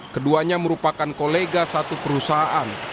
keduanya merupakan kolega satu perusahaan